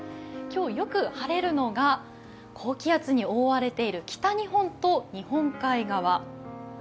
今日よく晴れるのが高気圧に覆われている北日本と日本海側。